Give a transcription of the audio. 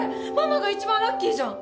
ママが一番ラッキーじゃん